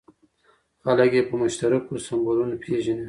خلک یې په مشترکو سیمبولونو پېژني.